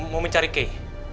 mau mencari kay